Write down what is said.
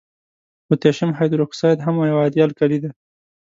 پوتاشیم هایدروکساید هم یو عادي القلي ده.